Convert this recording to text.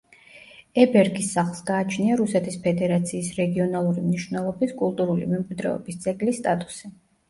ებერგის სახლს გააჩნია რუსეთის ფედერაციის რეგიონალური მნიშვნელობის კულტურული მემკვიდრეობის ძეგლის სტატუსი.